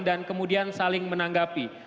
dan kemudian saling menanggapi